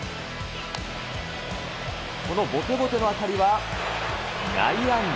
このぼてぼての当たりは内野安打。